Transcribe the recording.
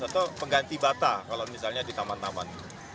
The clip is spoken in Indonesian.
atau pengganti bata kalau misalnya di taman taman